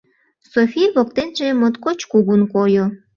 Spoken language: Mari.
Софи воктенже моткоч кугун койо.